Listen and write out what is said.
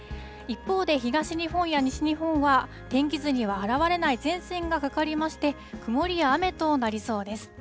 一方で、東日本や西日本は、天気図には表れない前線がかかりまして、曇りや雨となりそうです。